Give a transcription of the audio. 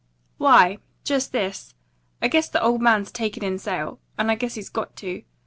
"Why, just this: I guess the old man's takin' in sail. And I guess he's got to.